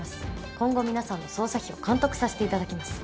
今後皆さんの捜査費を監督させていただきます。